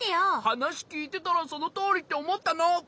はなしきいてたらそのとおりっておもったの！